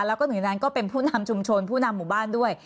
แล้วก็หนึ่งนั้นก็เป็นผู้นำชุมชนผู้นำหมู่บ้านด้วย